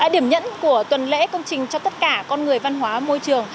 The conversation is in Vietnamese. điểm nhẫn của tuần lễ công trình cho tất cả con người văn hóa môi trường